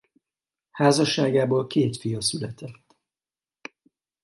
Házasságából két fia született.